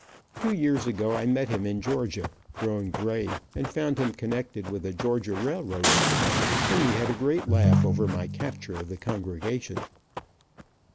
Two years ago I met him in Georgia, grown gray, and found him connected with a Georgia railroad, and we had a great laugh over my capture of the congregation.